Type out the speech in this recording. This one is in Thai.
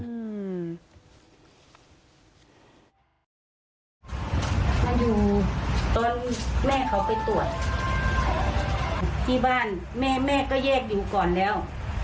อยู่ตอนแม่เขาไปตรวจที่บ้านแม่แม่ก็แยกอยู่ก่อนแล้ว